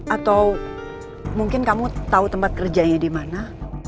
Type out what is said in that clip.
atau mungkin kamu tau tempat kerjanya dimana